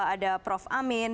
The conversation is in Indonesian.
ada prof amin